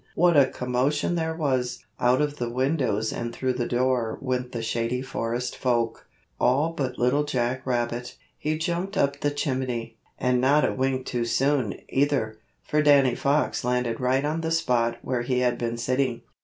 What a commotion there was. Out of the windows and through the door went the Shady Forest Folk all but Little Jack Rabbit. He jumped up the chimney, and not a wink too soon, either, for Danny Fox landed right on the spot where he had been sitting.